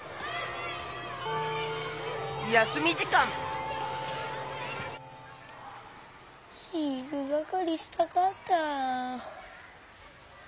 やすみじかんしいくがかりしたかった。